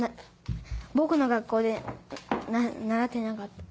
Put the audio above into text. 僕の学校で習ってなかった。